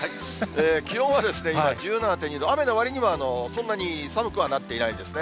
気温は今１７．２度、雨のわりにはそんなに寒くはなってないですね。